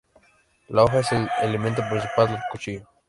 La hoja es el elemento principal del cuchillo.